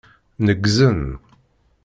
Neggzen.